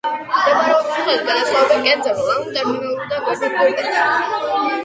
მდებარეობის მიხედვით განასხვავებენ კენწრულ ანუ ტერმინალურ და გევრდით კვირტებს.